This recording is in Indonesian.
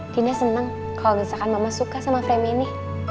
dina seneng kalau gesakan mama suka sama frame ini